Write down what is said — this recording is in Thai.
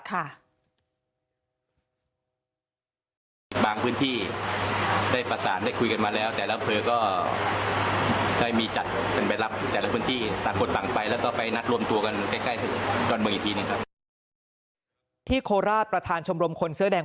ที่โคราชประธานชมรมคนเสื้อแดง